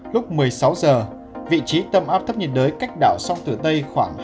lúc một mươi sáu giờ vị trí tâm áp thấp nhiệt đới cách đảo sông tử tây khoảng hai trăm linh km